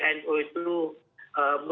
tapi insya allah di nu itu